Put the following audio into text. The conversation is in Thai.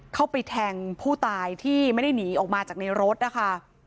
เข้าไปแทงผู้ตายที่ไม่ได้หนีออกมาจากในรถนะคะ